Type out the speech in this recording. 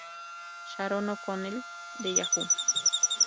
Sharon O'Connell de Yahoo!